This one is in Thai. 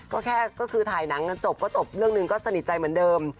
ก็แค่ก็คือถ่ายหนังกันจบก็จบเรื่องหนึ่งก็สนิทใจเหมือนเดิม